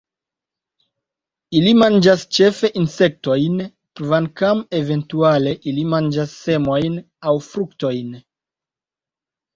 Ili manĝas ĉefe insektojn, kvankam eventuale ili manĝas semojn aŭ fruktojn.